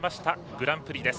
グランプリです。